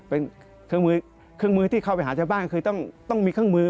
เป็นเครื่องมือที่เข้าไปหาจบ้านคือต้องมีเครื่องมือ